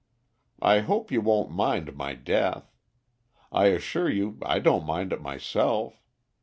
I hope you won't mind my death. I assure you I don't mind it myself.